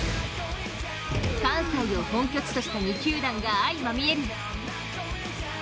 関西を本拠地とした２球団が相まみえる。